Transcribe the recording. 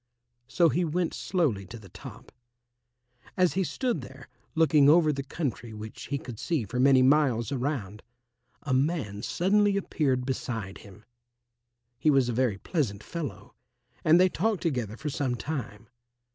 So he went slowly to the top. As he stood there, looking over the country which he could see for many miles around, a man suddenly appeared beside him. He was a very pleasant fellow, and they talked together for some time.